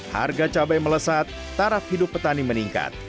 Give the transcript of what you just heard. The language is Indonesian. harga cabai melesat taraf hidup petani meningkat